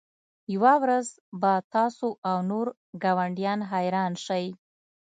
یوه ورځ به تاسو او نور ګاونډیان حیران شئ